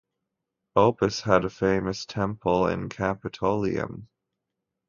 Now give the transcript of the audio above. Opis had a famous temple in the Capitolium.